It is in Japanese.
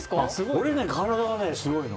俺、体はすごいの。